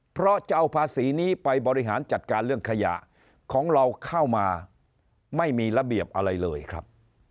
เพราะจะเอาภาษีนี้ไปบริหารจัดการเรื่องขยะของเราเข้ามาไม่มีระเบียบอะไรเลยครับ